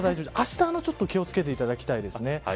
あしたはちょっと気を付けていただきたいですね。